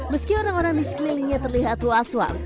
meski orang orang di sekelilingnya terlihat luas was